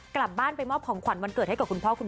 กลับบ้านไปมอบของขวัญวันเกิดให้กับคุณพ่อคุณแม่